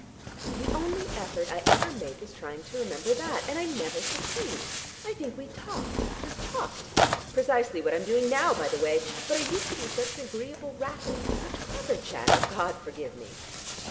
The only effort I ever make is trying to remember that, and I never succeed. I think we talked, just talked. Precisely what I'm doing now, by the way. But I used to be an agreeable rattle, such clever chatter, God forgive me!"